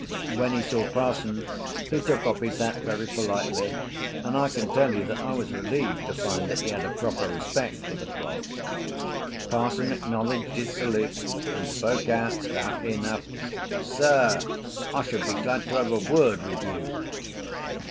When he saw parson he took off his hat very politely and I can tell you that I was relieved to find that he had a proper respect for the cloth. Parson acknowledged his salute and spoke out stoutly enough. "Sir, I should be glad to have a word with you."